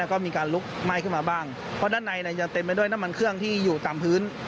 ก็มีการลุกไหม้ขึ้นมาบ้างเพราะด้านในจะเต็มไปด้วยน้ำมันเครื่องที่อยู่ตามพื้น